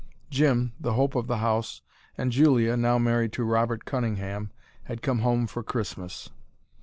Jim, the hope of the house, and Julia, now married to Robert Cunningham, had come home for Christmas.